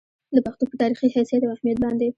د پښتو پۀ تاريخي حېثيت او اهميت باندې